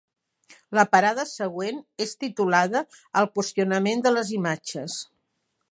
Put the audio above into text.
La parada següent és titulada ‘El qüestionament de les imatges’.